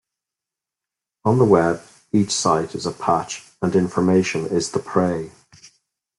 On the Web, each site is a patch and information is the prey.